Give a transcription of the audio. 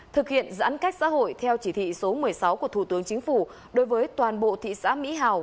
thực hiện giãn cách xã hội theo chỉ thị số một mươi sáu của thủ tướng chính phủ đối với toàn bộ thị xã mỹ hào